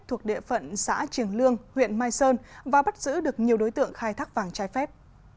thuộc địa phận xã triềng lương huyện mai sơn và bắt giữ được nhiều đối tượng khai thác vàng trái phép